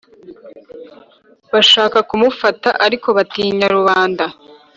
Bashaka kumufata ariko batinya rubanda